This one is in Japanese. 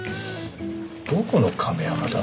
どこの亀山だ？